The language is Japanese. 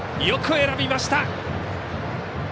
よく選びました！